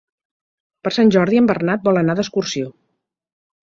Per Sant Jordi en Bernat vol anar d'excursió.